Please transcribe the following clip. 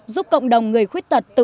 giúp cộng đồng người khuyết tật tự ti